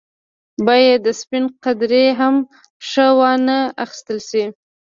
باید د سپڼ قدرې هم څه وانه اخیستل شي.